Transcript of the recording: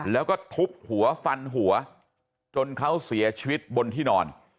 แล้วก็ทุบหัวฟันหัวจนเขาเสียชีวิตบนที่นอน